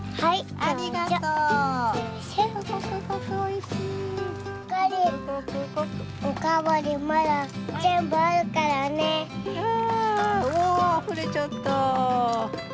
あおおあふれちゃった！